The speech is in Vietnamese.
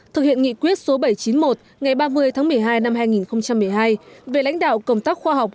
thực hiện nghị quyết số bảy trăm chín mươi một ngày ba mươi tháng một mươi hai năm hai nghìn một mươi hai về lãnh đạo công tác khoa học